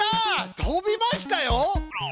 とびましたよ！